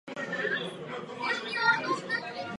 Sužují jej přírodní katastrofy.